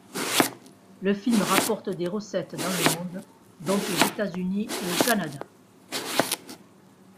Le film rapporte de recettes dans le monde, dont aux États-Unis et au Canada.